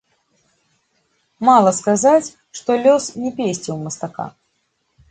Мала сказаць, што лёс не песціў мастака.